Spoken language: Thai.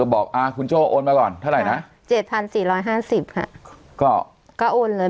บอกอ่าคุณโจ้โอนมาก่อนเท่าไหร่นะเจ็ดพันสี่ร้อยห้าสิบค่ะก็ก็โอนเลย